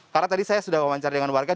karena tadi saya sudah memancar dengan warga